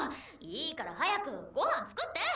いいから早くごはん作って！